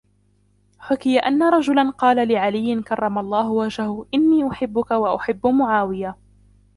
حُكِيَ أَنَّ رَجُلًا قَالَ لِعَلِيٍّ كَرَّمَ اللَّهُ وَجْهَهُ إنِّي أُحِبُّك وَأُحِبُّ مُعَاوِيَةَ